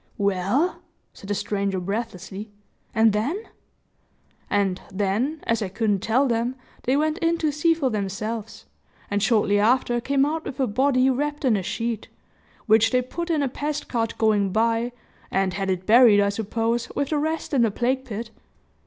"Well?" said the stranger, breathlessly, "and then?" "And then, as I couldn't tell them they went in to see for themselves, and shortly after came out with a body wrapped in a sheet, which they put in a pest cart going by, and had it buried, I suppose, with the rest in the plague pit."